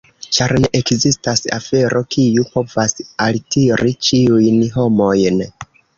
Ĉar ne ekzistas afero, kiu povas altiri ĉiujn homojn.